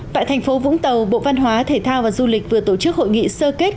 tại thành phố vũng tàu bộ văn hóa thể thao và du lịch vừa tổ chức hội nghị sơ kết